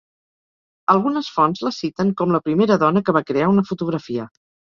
Algunes fonts la citen com la primera dona que va crear una fotografia.